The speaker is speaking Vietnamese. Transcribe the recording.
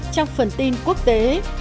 trong phần tin quốc tế